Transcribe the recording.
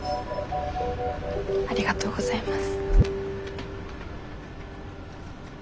ありがとうございます。